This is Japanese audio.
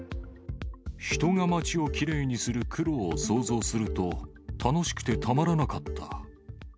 人が街をきれいにする苦労を想像すると、楽しくてたまらなかった。